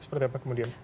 seperti apa kemudian